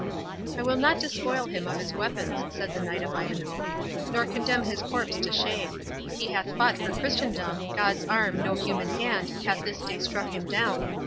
"I will not despoil him of his weapons," said the Knight of Ivanhoe, "nor condemn his corpse to shame—he hath fought for Christendom—God's arm, no human hand, hath this day struck him down.